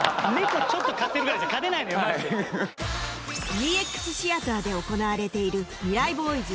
ＥＸ シアターで行われているミライ Ｂｏｙｓ